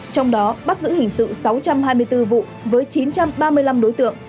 trong đó bắt giữ hình sự sáu trăm hai mươi bốn vụ với chín trăm ba mươi năm đối tượng